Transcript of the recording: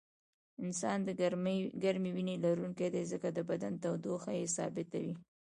انسان د ګرمې وینې لرونکی دی ځکه د بدن تودوخه یې ثابته وي